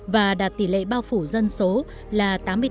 và đạt tỷ lệ bao phủ dân số là tám mươi tám một